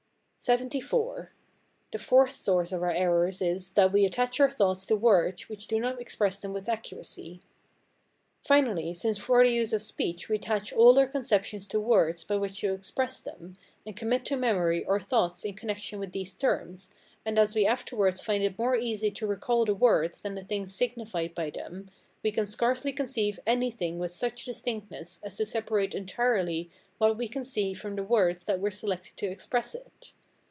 LXXIV. The fourth source of our errors is, that we attach our thoughts to words which do not express them with accuracy. Finally, since for the use of speech we attach all our conceptions to words by which to express them, and commit to memory our thoughts in connection with these terms, and as we afterwards find it more easy to recall the words than the things signified by them, we can scarcely conceive anything with such distinctness as to separate entirely what we conceive from the words that were selected to express it.